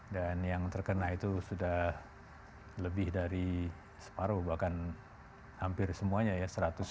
yang terkena itu sudah lebih dari separuh bahkan hampir semuanya ya